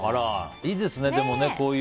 いいですね。